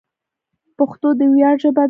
پښتو د ویاړ ژبه ده.